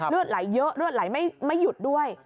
เลือดไหลเยอะเลือดไหลไม่หยุดด้วย